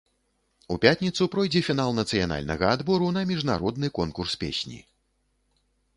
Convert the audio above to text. У пятніцу пройдзе фінал нацыянальнага адбору на міжнародны конкурс песні.